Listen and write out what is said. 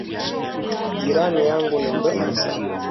Jirani yangu ni mrembo sana.